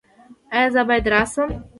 ایا زه باید راشم؟